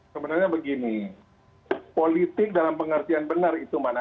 sebenarnya begini politik dalam pengertian benar itu mana